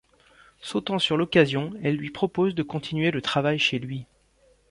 Sautant sur l'occasion, elle lui propose de continuer le travail chez lui.